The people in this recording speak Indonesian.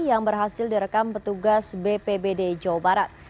yang berhasil direkam petugas bpbd jawa barat